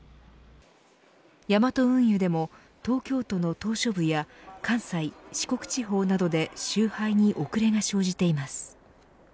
ヤマト運輸でも東京都の島しょ部や関西・四国地方などで集配に遅れが生じています。